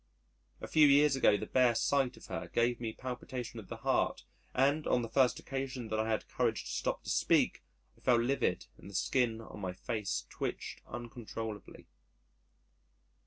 A few years ago, the bare sight of her gave me palpitation of the heart, and, on the first occasion that I had the courage to stop to speak, I felt livid and the skin on my face twitched uncontrollably.